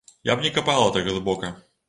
Я б не капала так глыбока.